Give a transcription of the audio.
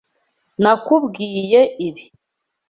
Nakubwiye ibi.